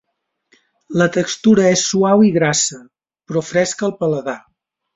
La textura és suau i grassa, però fresca al paladar.